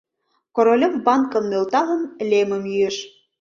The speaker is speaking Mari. Королёв, банкым нӧлталын, лемым йӱэш.